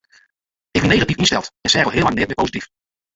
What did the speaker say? Ik wie negatyf ynsteld en seach al heel lang neat mear posityf.